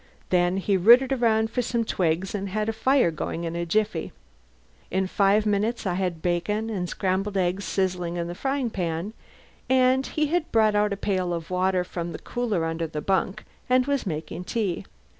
Then he rooted around for some twigs and had a fire going in a jiffy. In five minutes I had bacon and scrambled eggs sizzling in a frying pan, and he had brought out a pail of water from the cooler under the bunk, and was making tea.